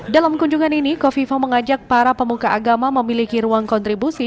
dalam kunjungan ini kofifa mengajak para pemuka agama memiliki ruang kontribusi